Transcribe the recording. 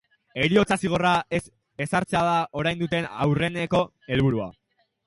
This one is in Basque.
Heriotza zigorra ez ezartzea da orain duten aurreneko helburua.